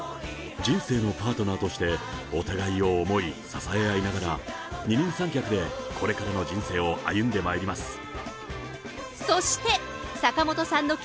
人生のパートナーとして、お互いを思い、支え合いながら、二人三脚でこれからの人生を歩んでまいります。